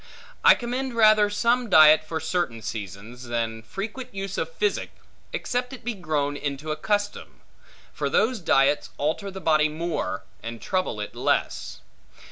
I commend rather some diet for certain seasons, than frequent use of physic, except it be grown into a custom. For those diets alter the body more, and trouble it less.